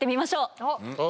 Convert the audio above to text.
おっ！